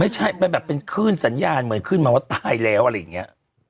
ไม่ใช่เป็นแบบเป็นคลื่นสัญญาณเหมือนขึ้นมาว่าตายแล้วอะไรอย่างนี้